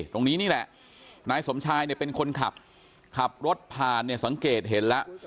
ตรงนี้นี่แหละนายสมชายเนี่ยเป็นคนขับขับรถผ่านเนี่ยสังเกตเห็นแล้ว